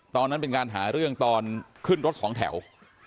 ตอนนั้นเป็นการหาเรื่องตอนขึ้นรถสองแถว